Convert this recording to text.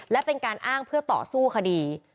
และเป็นการอ้างเพื่อต่อสู้คดี